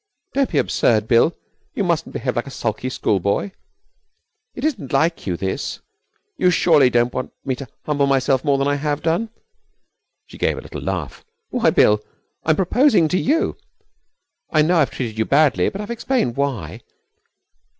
'Don't be absurd, Bill! You mustn't behave like a sulky schoolboy. It isn't like you, this. You surely don't want me to humble myself more than I have done.' She gave a little laugh. 'Why, Bill, I'm proposing to you! I know I've treated you badly, but I've explained why.